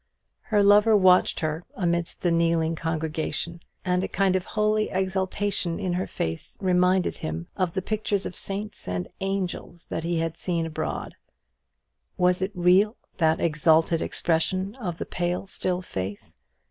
Her lover watched her amidst the kneeling congregation; and a kind of holy exaltation in her face reminded him of pictures of saints and angels that he had seen abroad. Was it real, that exalted expression of the pale still face?